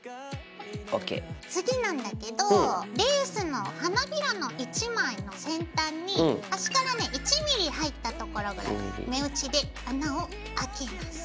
次なんだけどレースの花びらの１枚の先端に端からね１ｍｍ入ったところぐらい目打ちで穴を開けます。